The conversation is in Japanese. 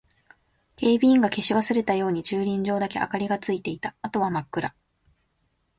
警備員が消し忘れたように駐輪場だけ明かりがついていた。あとは真っ暗。